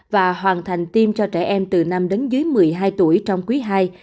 và hoàn thành tiêm cho trẻ em từ năm đến dưới một mươi hai tuổi